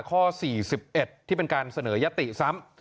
ข้อ๔๑ที่เป็นการเสนอยติซ้ำ